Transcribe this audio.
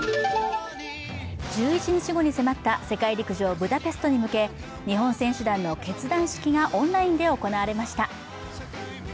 １１日後に迫った世界陸上ブダペストに向けて、日本選手団の結団式がオンラインで行われました。